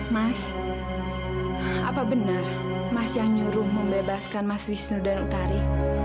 mas apa benar mas yang nyuruh membebaskan mas wisnu dan utari